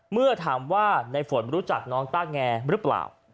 เมื่อถามว่าในฝนรู้จักน้องต้าแงหรือเปล่า